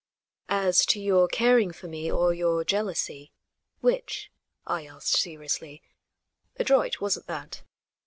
"As to your caring for me, or your jealousy? Which?" I asked seriously. Adroit, wasn't that?